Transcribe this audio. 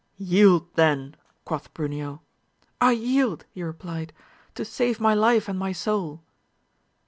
Yield then ! quoth Bruneo. I yield, he replied, to save my life and my soul.